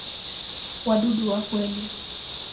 Wadudu wa kweli.